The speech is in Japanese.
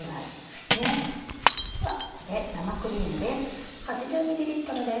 ではここで生クリームです。